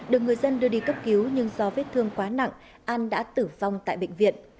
được người dân đưa đi cấp cứu nhưng do vết thương quá nặng an đã tử vong tại bệnh viện